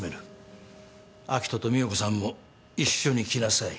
明人と美保子さんも一緒に来なさい。